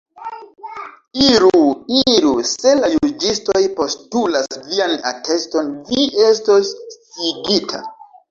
Iru, iru; se la juĝistoj postulas vian ateston, vi estos sciigita.